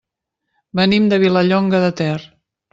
Venim de Vilallonga de Ter.